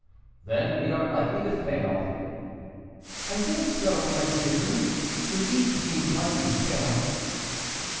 "Then we are likely to fail." "I fear so, my dear duke; the League seems likely to fail."